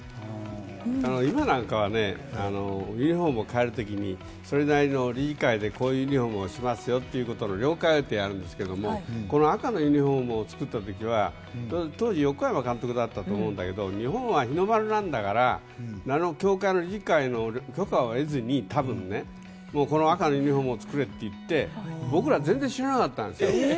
今なんかはユニホームを変える時にそれなりに理事会でこういうユニホームにしますよという了解を得てやるんですがこの赤のユニホームを作る時には当時、横山監督だったと思うんだけど日本は日の丸なんだから許可を得ずに多分、赤のユニホームを作れと言って僕ら、全然知らなかったんですよ。